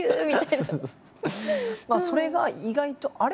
それが意外と「あれ？」